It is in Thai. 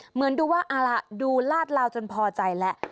เหมือนดูว่าดูลาดลาวจนพอใจแล้ว